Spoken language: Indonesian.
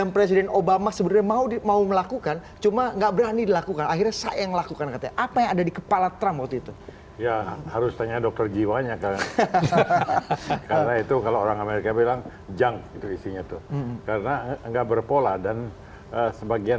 pemerintah iran berjanji akan membalas serangan amerika yang tersebut